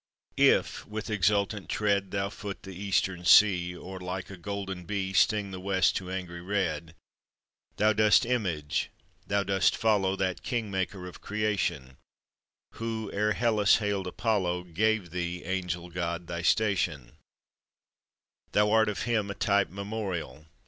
If with exultant tread Thou foot the Eastern sea, Or like a golden be Sting the West to angry red, Thou dost image, thou dost follow That King Maker of Creation, Who, ere Hellas hailed Apollo, Gave thee, angel god, thy station; Thou art of Him a type memorial.